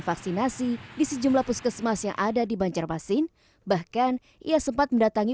vaksinasi di sejumlah puskesmas yang ada di banjarmasin bahkan ia sempat mendatangi